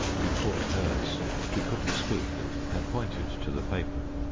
He caught hers he couldn't speak, and pointed to the paper.